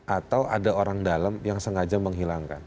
atau ada orang dalam yang sengaja menghilangkan